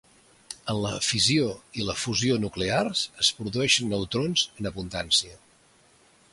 En la fissió i la fusió nuclears es produeixen neutrons en abundància.